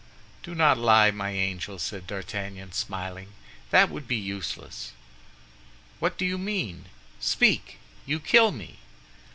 "Do not lie, my angel," said D'Artagnan, smiling; "that would be useless." "What do you mean? Speak! you kill me."